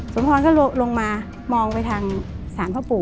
สมพรณก็ลงมามองไปทางศาลพระโป